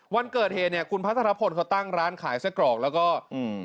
วันเกิดเหคุณพัฒนพลเขาตั้งร้านขายไส้กรอกแล้วก็น้ำผัวละไม้ปั่น